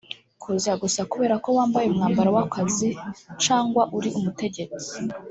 Kuza gusa kubera ko wambaye umwambaro w’akazi cangwa uri umutegetsi